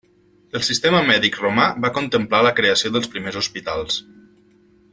El sistema mèdic romà va contemplar la creació dels primers hospitals.